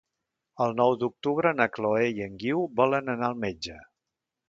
El nou d'octubre na Chloé i en Guiu volen anar al metge.